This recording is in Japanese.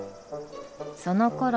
そのころ